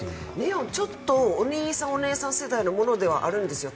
ちょっとお兄さんお姉さん世代のものではあるんですよ。